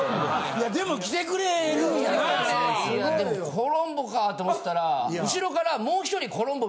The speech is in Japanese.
コロンボかって思ってたら後ろから。